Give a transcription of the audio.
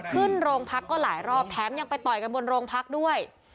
ขึ้นโรงพักก็หลายรอบแถมยังไปต่อยกันบนโรงพักด้วย